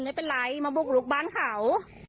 ไม่เป็นไรมาบุกลุกบ้านเขา